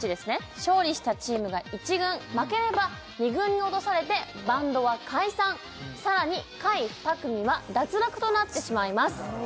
勝利したチームが１軍負ければ２軍に落とされてバンドは解散更に下位２組は脱落となってしまいます